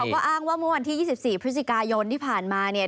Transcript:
ก็อ้างว่าเมื่อวันที่๒๔พฤศจิกายนที่ผ่านมาเนี่ย